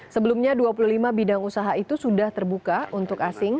sebelumnya dua puluh lima bidang usaha itu sudah terbuka untuk asing